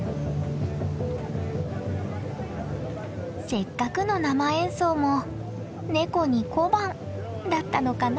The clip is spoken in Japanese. ・せっかくの生演奏も「ネコに小判」だったのかな。